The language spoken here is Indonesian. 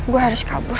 gue harus kabur